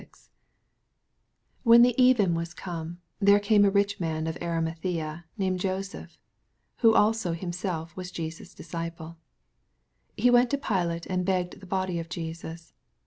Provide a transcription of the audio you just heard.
67 When the even was oome, there oameariohmanof Arimathsea, named Joseph, who also himself was Jesns^ disciple : 68 He went to Pilate, and begged the body of Jesus.